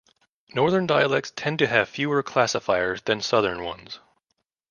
Northern dialects tend to have fewer classifiers than southern ones.